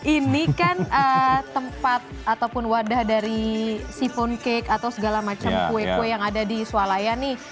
ini kan tempat ataupun wadah dari siphone cake atau segala macam kue kue yang ada di swalaya nih